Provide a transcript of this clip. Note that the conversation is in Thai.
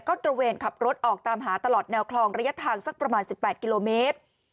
ก็ตระเวนขับรถออกตามหาตลอดแนวคลองระยะทางสักประมาณ๑๘กิโลเมตร